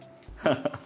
ハハハッ。